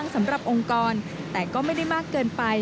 สำหรับองค์กรแต่ก็ไม่ได้มากเกินไป